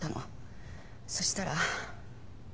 そしたら。